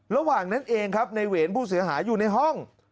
ระหว่างนั้นเองครับในเวรผู้เสียหายอยู่ในห้อง